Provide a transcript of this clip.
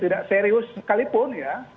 tidak serius sekalipun ya